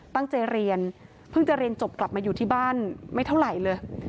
ตั้งใจเรียนเพิ่งจะเรียนจบกลับมาอยู่ที่บ้านไม่เท่าไหร่เลย